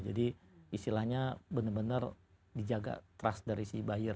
jadi istilahnya benar benar dijaga trust dari si buyer